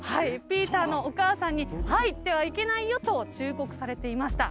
ピーターのお母さんに入ってはいけないよと忠告されていました。